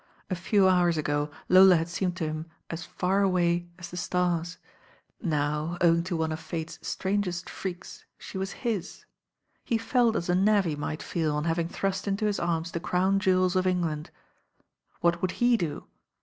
A few hours ago Lola had seemed to him as i. away as the •tars; now owing to one of fate's s..angest freaks, she was his. He felt as a navvy might feel on having thrust into his arms the crown jewels of England. What would he do?